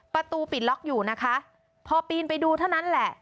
ประตูปิดล็อกอยู่นะคะพอปีนไปดูเท่านั้นแหละ